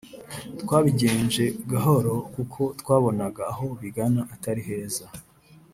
twabigenje gahoro kuko twabonaga aho bigana Atari heza